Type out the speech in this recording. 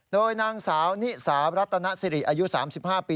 โดยนางสาวนิสารัตนสิริอายุ๓๕ปี